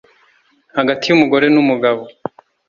hagati y’umugore n’umugabo